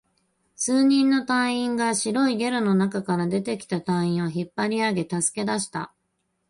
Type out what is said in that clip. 数人の隊員が白いゲルの中から出てきた隊員を引っ張り上げ、助け出した